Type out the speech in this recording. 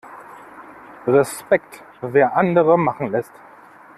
Respekt, wer andere machen lässt!